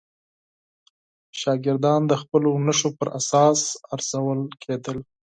شاګردان د خپلو نښو پر اساس ارزول کېدل.